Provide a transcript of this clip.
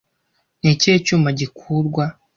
Ni ikihe cyuma gikurwa